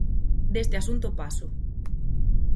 Deste asunto paso.